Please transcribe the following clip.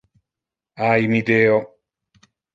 Ai, mi Deo!